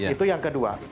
itu yang kedua